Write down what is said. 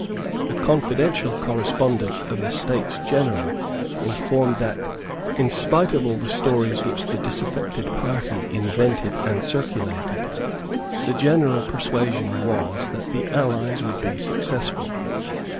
The confidential correspondent of the States General informed them that, in spite of all the stories which the disaffected party invented and circulated, the general persuasion was that the allies would be successful.